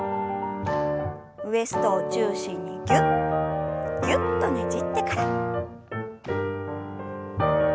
ウエストを中心にギュッギュッとねじってから。